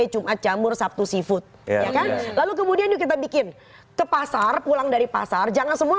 hari cuma camur sabtu seafood ya kan lalu kemudian kita bikin ke pasar pulang dari pasar jangan semua